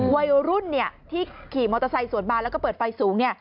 วัยรุ่นที่ขี่มอเตอร์ไซค์สวนมาแล้วก็เปิดไฟสูง